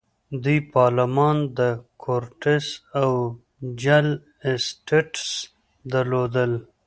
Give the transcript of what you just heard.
دوی پارلمان، کورټس او جل اسټټس درلودل.